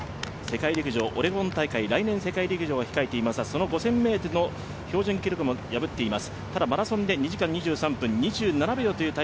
世界陸上オレゴン大会、来年世界陸上を控えていますが、その５０００ｍの標準記録も破っています。